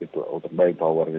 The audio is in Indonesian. itu untuk bayar power nya